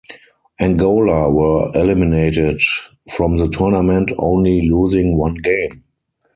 Angola were eliminated from the tournament only losing one game.